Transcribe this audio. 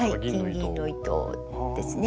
金銀の糸ですね。